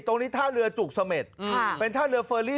ตรงนี้ท่าเรือจุกเสม็ดเป็นท่าเรือเฟอรี่